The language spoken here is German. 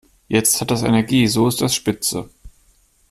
Jetzt hat das Energie, so ist das spitze.